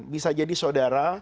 bisa jadi saudara